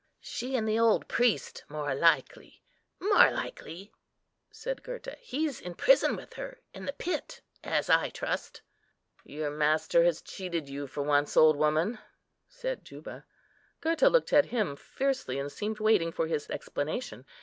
"She and the old priest, more likely, more likely," said Gurta. "He's in prison with her—in the pit, as I trust." "Your master has cheated you for once, old woman," said Juba. Gurta looked at him fiercely, and seemed waiting for his explanation.